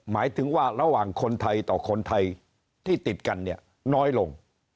หมายถึงว่าระหว่างคนไทยต่อคนไทยที่ติดกันเนี่ยน้อยลง